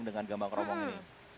pengalaman gambang keromong ini